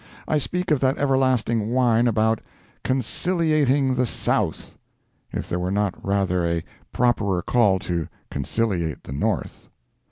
I speak of that everlasting whine about "conciliating the South"—if there were not rather a properer call to conciliate the North!